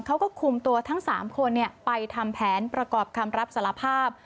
เขาก็คุมตัวทั้ง๓คนไปทำแผนประกอบคำรับสารภาพ